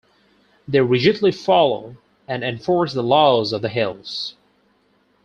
They rigidly follow and enforce the laws of the Hells.